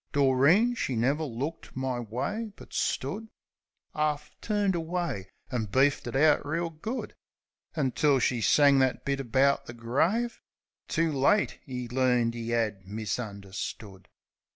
Doreen she never looked my way; but stood 'Arf turned away, an' beefed it out reel good, Until she sang that bit about the grave; "Too late 'e learned 'e 'ad misunderstood!"